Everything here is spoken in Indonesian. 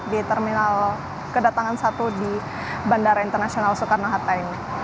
di terminal kedatangan satu di bandara internasional soekarno hatta ini